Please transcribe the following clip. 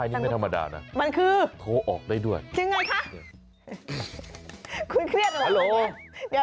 ใช่มันคือจริงไหมคะคุณเครียดเหรอโอ้โห